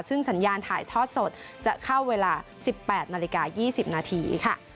ซึ่งสัญญาณถ่ายทอดสดจะเข้าเวลา๑๘นาฬิกา๒๐นาทีค่ะ